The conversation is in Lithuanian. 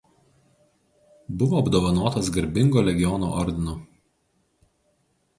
Buvo apdovanotas Garbingo Legiono ordinu.